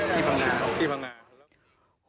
ที่แผงงาน